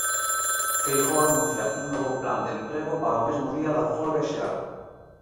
Feijóo anuncia un novo plan de emprego para o mesmo día da folga xeral.